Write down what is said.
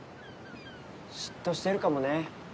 嫉妬してるかもね。